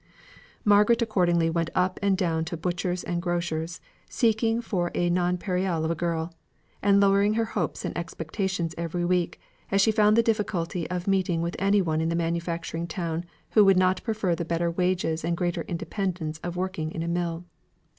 Margaret accordingly went up and down to butchers and grocers, seeking for a nonpareil of a girl; and lowering her hopes and expectations every week, as she found the difficulty of meeting with any one in a manufacturing town who did not prefer the better wages and greater independence of working in a mill.